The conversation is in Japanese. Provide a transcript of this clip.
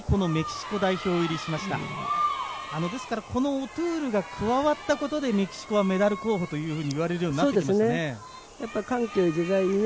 オトゥールが加わったことでメキシコはメダル候補といわれるようになったということですね。